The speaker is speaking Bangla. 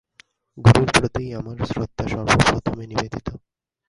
গুরুর প্রতিই আমার শ্রদ্ধা সর্বপ্রথমে নিবেদিত।